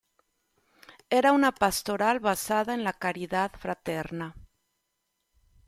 Era una pastoral basada en la caridad fraterna.